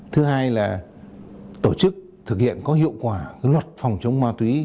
thứ hai là tổ chức thực hiện có hiệu quả luật phòng chống ma túy